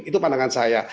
itu pandangan saya